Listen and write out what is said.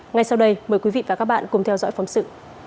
ngay sau đây mời quý vị và các bạn cùng theo dõi phóng sự